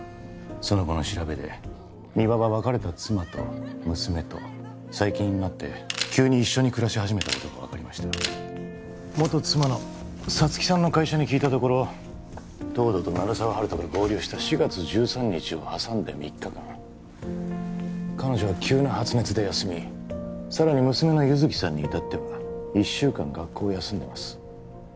その後の調べで三輪は別れた妻と娘と最近になって急に一緒に暮らし始めたことが分かりました元妻の沙月さんの会社に聞いたところ東堂と鳴沢温人が合流した４月１３日を挟んで３日間彼女は急な発熱で休みさらに娘の優月さんにいたっては１週間学校を休んでます